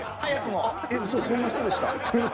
うそそんな人でした？